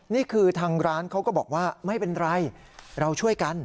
นี่คือทางร้านเขาก็บอกว่าไม่เป็นไรเราช่วยกัน